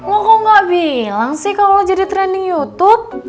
lo kok nggak bilang sih kalau lo jadi trending youtube